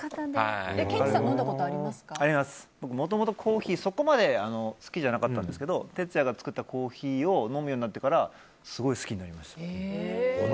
僕、もともとコーヒー、そこまで好きじゃなかったんですけどＴＥＴＳＵＹＡが作ったコーヒーを飲むようになってすごい好きになりました。